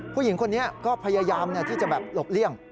ผู้หญิงคนนี้ก็พยายามที่จะแบบหลบเลี่ยง